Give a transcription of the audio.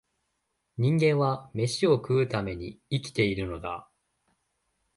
人間は、めしを食うために生きているのだ